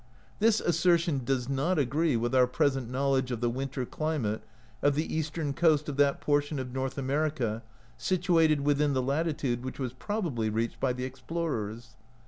This assertion does not agree with our present knowledge of the winter climate of the eastern coast of that portion of North America situated within the lati tude which was probably reached by the explorers.